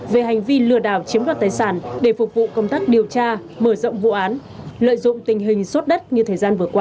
về hành vi lừa đảo chiếm đoạt tài sản để phục vụ công tác điều tra mở rộng vụ án lợi dụng tình hình sốt đất như thời gian vừa qua